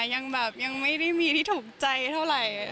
ยังแบบยังไม่ได้มีที่ถูกใจเท่าไหร่